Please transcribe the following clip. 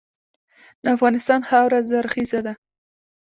د افغانستان خاوره زرخیزه ده.